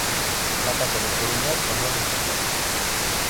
Na casa do coruñés Manuel Mosquera.